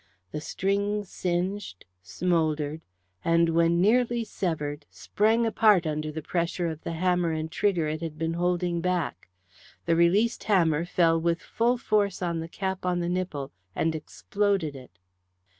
The string singed, smouldered, and when nearly severed, sprang apart under the pressure of the hammer and trigger it had been holding back. The released hammer fell with full force on the cap on the nipple, and exploded it.